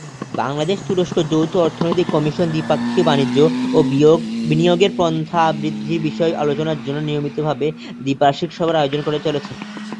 বাংলাদেশ-তুরস্ক যৌথ অর্থনৈতিক কমিশন দ্বিপাক্ষীয় বাণিজ্য ও বিনিয়োগের পন্থা বৃদ্ধির বিষয়ে আলোচনার জন্য নিয়মিতভাবে দ্বিবার্ষিক সভার আয়োজন করে চলেছে।